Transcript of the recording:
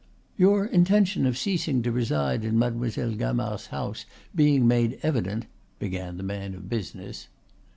"Your intention of ceasing to reside in Mademoiselle Gamard's house being made evident " began the man of business.